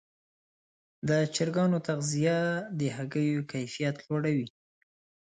د چرګانو تغذیه د شیدو او هګیو کیفیت لوړوي.